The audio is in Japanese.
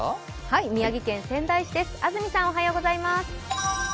宮城県仙台市です。